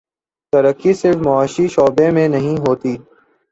ترقی صرف معاشی شعبے میں نہیں ہوتی۔